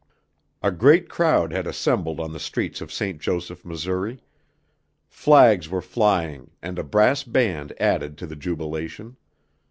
A great crowd had assembled on the streets of St. Joseph, Missouri. Flags were flying and a brass band added to the jubilation.